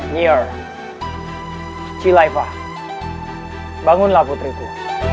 nyir cilaiva bangunlah putriku